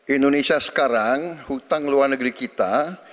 indonesia sekarang hutang luar negeri kita